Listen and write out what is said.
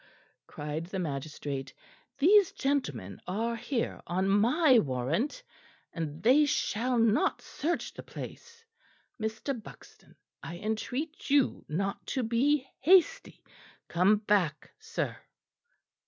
cried the magistrate. "These gentlemen are here on my warrant, and they shall not search the place. Mr. Buxton, I entreat you not to be hasty. Come back, sir."